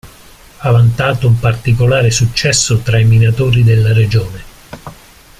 Ha vantato un particolare successo tra i minatori della regione.